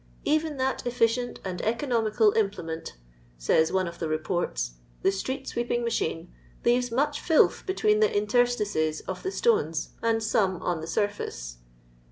" Kven that effi cient and economical implement,*' says one of the Reports, " the street sweeping machine, leaves much filth between the interstices of the stones and some on the surface."